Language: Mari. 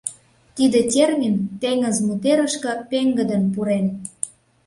Тиде термин теҥыз мутерышке пеҥгыдын пурен.